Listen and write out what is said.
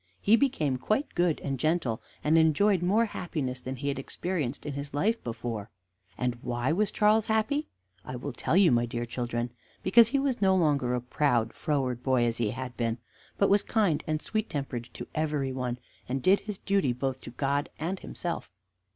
He became quite good and gentle, and enjoyed more happiness than he had experienced in his life before, And why was Charles happy? I will tell you, my dear children. Because he was no longer a proud, froward boy as he had been, but was kind and sweet tempered to every one, and did his duty both to God and himself.